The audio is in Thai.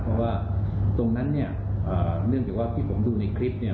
เพราะว่าตรงนั้นเนี่ยเนื่องจากว่าที่ผมดูในคลิปเนี่ย